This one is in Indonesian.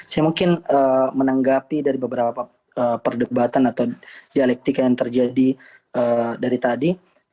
saya mungkin menanggapi dari beberapa perdebatan atau dialektika yang terjadi dari tadi